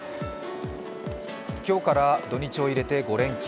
今日から土日を入れて５連休。